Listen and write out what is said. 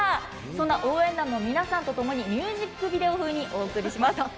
そんな応援団の皆さんとともにミュージックビデオ風にお送りします。